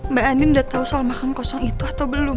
mbak ani udah tahu soal makan kosong itu atau belum